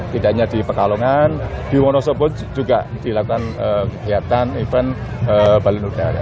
tidak hanya di pekalongan di wonosobo juga dilakukan kegiatan event balon udara